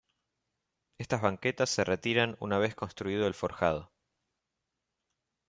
Estas banquetas se retiran una vez construido el forjado.